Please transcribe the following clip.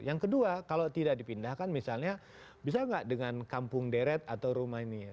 yang kedua kalau tidak dipindahkan misalnya bisa nggak dengan kampung deret atau rumah ini